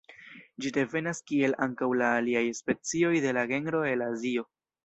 Ĝi devenas kiel ankaŭ la aliaj specioj de la genro el Azio.